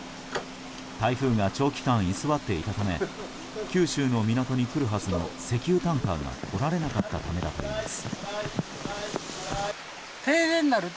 台風が長期間居座っていたため九州の港に来るはずの石油タンカーが来られなかったためだといいます。